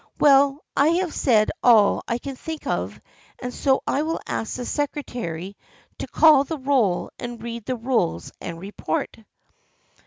Well, I have said all I can think of and so I will ask the secretary to call the roll and read the rules and report."